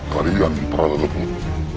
kalian para lembut